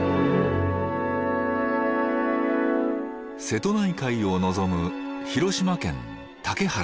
瀬戸内海を望む広島県竹原。